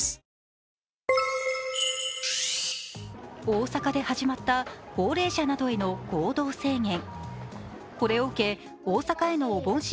大阪で始まった高齢者などへの行動制限。